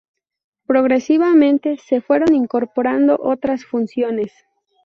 Progresivamente se fueron incorporando otras funciones.